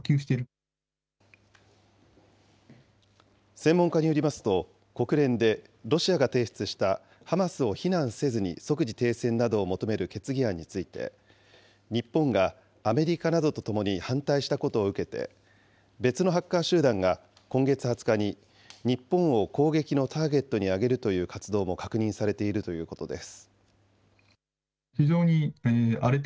専門家によりますと、国連でロシアが提出したハマスを非難せずに即時停戦などを求める決議案について、日本がアメリカなどとともに反対したことを受けて、別のハッカー集団が今月２０日に日本を攻撃のターゲットにあげるという活動も確認されているということです。